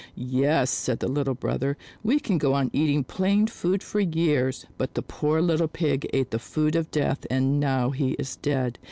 "Yes," said the little brother, "we can go on eating plain food for years, but the poor little Pig ate the food of death and now he is dead.